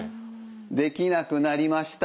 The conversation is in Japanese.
できなくなりました。